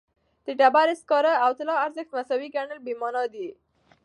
د ډبرې سکاره او طلا ارزښت مساوي ګڼل بېمعنایي ده.